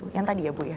yang tadi ya bu ya